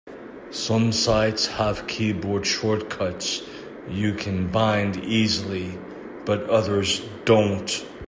Some sites have keyboard shortcuts you can bind easily, but others don't.